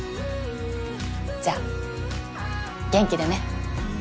じゃあ元気でね。